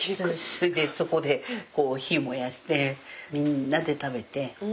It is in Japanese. そこで火燃やしてみんなで食べて。